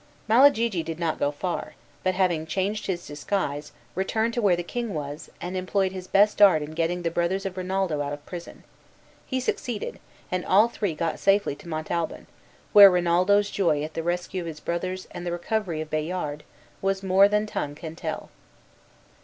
Malagigi did not go far, but having changed his disguise, returned to where the king was, and employed his best art in getting the brothers of Rinaldo out of prison. He succeeded; and all three got safely to Montalban, where Rinaldo's joy at the rescue of his brothers and the recovery of Bayard was more than tongue can tell.